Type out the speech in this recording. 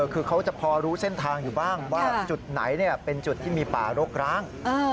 คือเขาจะพอรู้เส้นทางอยู่บ้างว่าจุดไหนเป็นจุดที่มีป่ารกร้าง